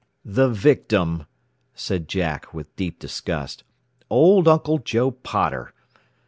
"The victim!" said Jack with deep disgust. "Old Uncle Joe Potter.